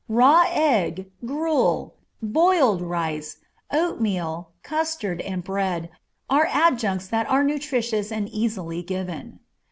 Raw egg, gruel, boiled rice, oatmeal, custard, and bread are adjuncts that are nutritious and easily given.